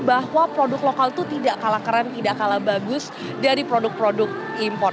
bahwa produk lokal itu tidak kalah keren tidak kalah bagus dari produk produk impor